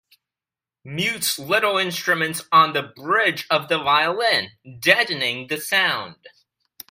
Mutes little instruments on the bridge of the violin, deadening the sound.